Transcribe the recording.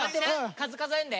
数数えんで？